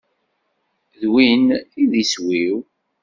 D win i d iswi-w.